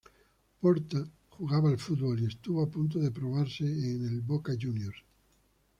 Porta jugaba al fútbol y estuvo a punto de probarse en Boca Juniors.